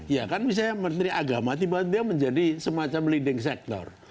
ya kan misalnya menteri agama tiba tiba menjadi semacam leading sector